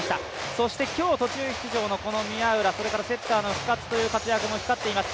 そして今日、途中出場の宮浦、それからセッターの深津の活躍も目立っています。